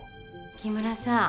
木村さん